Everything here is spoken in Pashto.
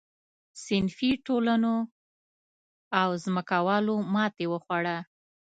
صنفي ټولنو او ځمکوالو ماتې وخوړه.